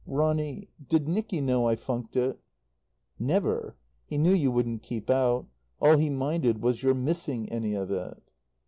"Ronny. Did Nicky know I funked it?" "Never! He knew you wouldn't keep out. All he minded was your missing any of it."